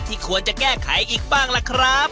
ควรจะแก้ไขอีกบ้างล่ะครับ